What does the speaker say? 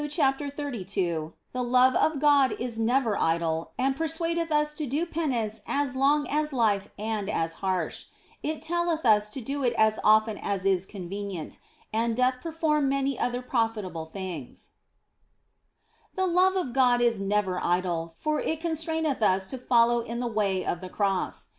CHAPTER XXXII THE LOVE OF GOD IS NEVER IDLE, AND PERSUADETH US TO DO PENANCE AS LONG AS LIFE AND AS HARSH ; IT TELLETH US TO DO IT AS OFTEN AS IS CONVENIENT, AND DOTH PERFORM MANY OTHER PROFITABLE THINGS THE love of God is never idle, for it constraineth us to follow in the way of the Cross.